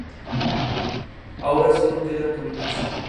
Asimismo, mediante el Plan especial se realizó su delimitación definitiva.